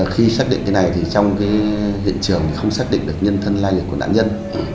khi xác định cái này thì trong hiện trường không xác định được nhân thân lai lịch của nạn nhân